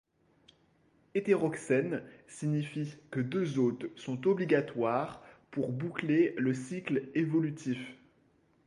Hétéroxène signifie que deux hôtes sont obligatoires pour boucler le cycle évolutif.